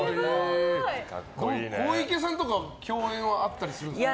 小池さんとかと共演はあったりするんですか？